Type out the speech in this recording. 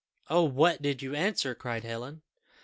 '" "Oh! what did you answer?" cried Helen.